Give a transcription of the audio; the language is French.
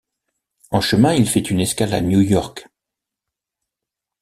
En chemin, il fait une escale à New York.